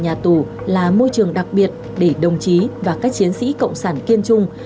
nhà tù là môi trường đặc biệt để đồng chí và các chiến sĩ cộng sản kiên trung